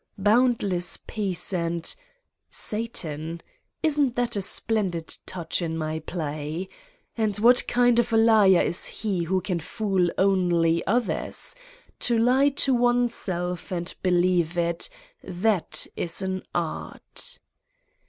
Boundless peace and ... Satan! isn't that a splendid touch in my play? And what kind of a liar is he who can fool only others? To lie to oneself and believe it that is an art